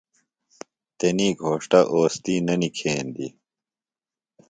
تسی گھوݜٹہ اوستی نہ نِکھیندیۡ۔